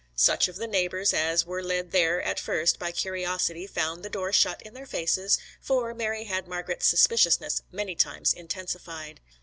Such of the neighbours as were led there at first by curiosity found the door shut in their faces, for Mary had Margret's suspiciousness many times intensified.